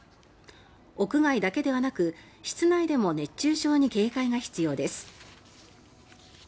屋外だけではなく室内でも熱中症に警戒が必要です。